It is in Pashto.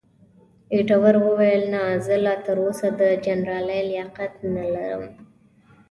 ایټور وویل، نه، زه لا تراوسه د جنرالۍ لیاقت نه لرم.